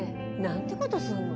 何てことすんの。